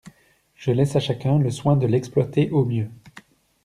Je laisse à chacun le soin de l’exploiter au mieux.